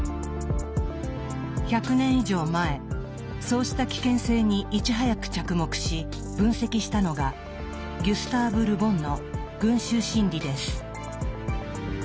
１００年以上前そうした危険性にいち早く着目し分析したのがギュスターヴ・ル・ボンの「群衆心理」です。